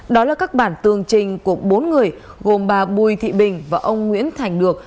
đó là các bản tường trình của bốn người gồm bà bùi thị bình và ông nguyễn thành được